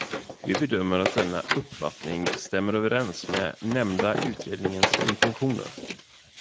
Vi bedömer att denna uppfattning stämmer överens med nämnda utrednings intentioner.